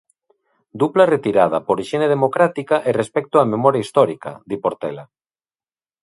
Dupla retirada, por hixiene democrática e respecto á memoria histórica, di Portela.